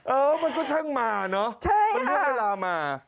เออมันก็ช่างมาเนาะ